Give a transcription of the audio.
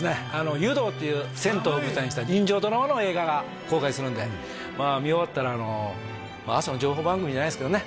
「湯道」っていう銭湯を舞台にした人情ドラマの映画が公開するんで見終わったらもう朝の情報番組じゃないですけどね